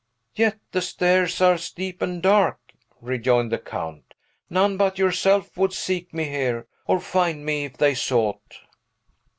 "Yet the stairs are steep and dark," rejoined the Count; "none but yourself would seek me here, or find me, if they sought."